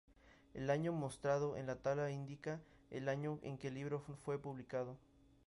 El año mostrado en la tabla indica el año en que libro fue publicado.